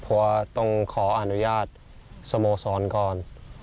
เพราะว่าต้องขออนุญาตสโมสรก่อน